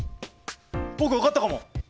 僕分かったかも。